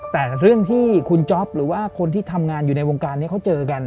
แต่เรื่องที่คุณจ๊อปหรือว่าคนที่ทำงานอยู่ในวงการนี้เขาเจอกัน